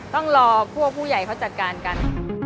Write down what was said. ต้องรอพวกผู้ใหญ่เขาจัดการกัน